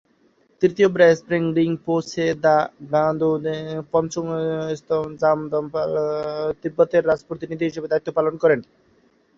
তৃতীয় র্বা-স্গ্রেং রিন-পো-ছে ঙ্গাগ-দ্বাং-য়ে-শেস-ত্শুল-খ্রিম্স-র্গ্যাল-ম্ত্শান এবং পঞ্চম র্বা-স্গ্রেং রিন-পো-ছে থুব-ব্স্তান-'জাম-দ্পাল-য়ে-শেস-র্গ্যাল-ম্ত্শান তিব্বতের রাজপ্রতিনিধি হিসেবে দায়িত্ব পালন করেন।